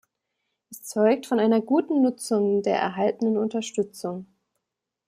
Es zeugt von einer guten Nutzung der erhaltenen Unterstützung.